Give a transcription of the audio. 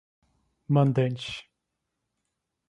mandante